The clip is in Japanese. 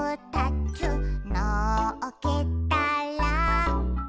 「のっけたら」